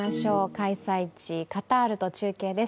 開催地カタールと中継です。